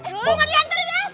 lu mau diantri des